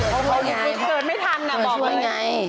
เกิดไม่ทันนะบอกเลย